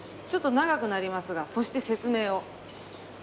ちょっと長くなりますがそして説明を。